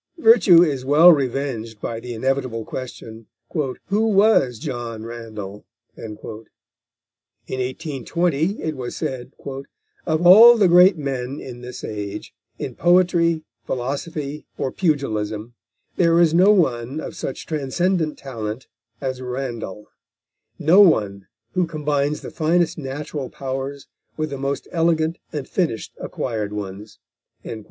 Virtue is well revenged by the inevitable question! "Who was John Randall?" In 1820 it was said: "Of all the great men in this age, in poetry, philosophy, or pugilism, there is no one of such transcendent talent as Randall, no one who combines the finest natural powers with the most elegant and finished acquired ones."